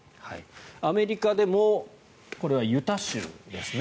アメリカでもこれはユタ州ですね。